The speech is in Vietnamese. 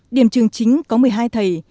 điểm trường chính có một mươi hai thầy